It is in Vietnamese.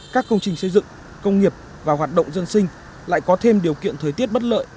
các công trình xây dựng công nghiệp và hoạt động dân sinh lại có thêm điều kiện thời tiết bất lợi